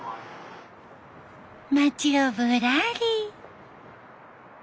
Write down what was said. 街をぶらり。